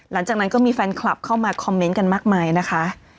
หลังจากนั้นก็มีแฟนคลับเข้ามาคอมเมนต์กันมากมายนะคะ